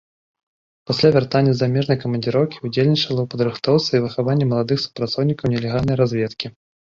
Пасля вяртання з замежнай камандзіроўкі ўдзельнічала ў падрыхтоўцы і выхаванні маладых супрацоўнікаў нелегальнай разведкі.